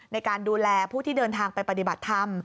ในการดูแลผู้ที่เดินทางไปปฏิบัติธรรม